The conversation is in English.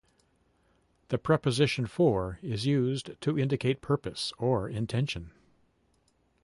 The preposition "for" is used to indicate purpose or intention.